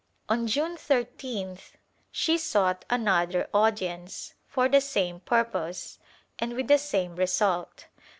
On June 13th she sought another audience, for the same purpose and with the same result.